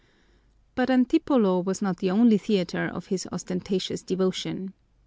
But Antipolo was not the only theater of his ostentatious devotion.